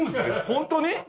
ホントに？